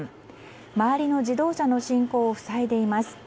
周りの自動車の進行を塞いでいます。